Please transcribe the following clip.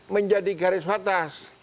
menjadi garis batas